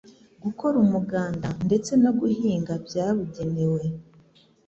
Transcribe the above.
gukora umuganda ndetse no guhinga byabugenewe